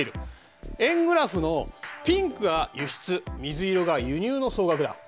円グラフのピンクが輸出水色が輸入の総額だ。